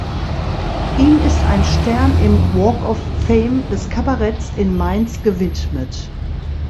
Ihm ist ein Stern im Walk of Fame des Kabaretts in Mainz gewidmet.